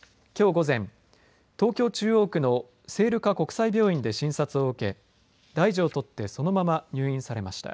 午前東京、中央区の聖路加国際病院で診察を受け大事をとって、そのまま入院されました。